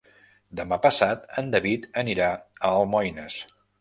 Demà passat en David anirà a Almoines.